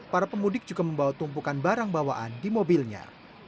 para pemudik juga membawa tumpukan barang bawaan di mobilnya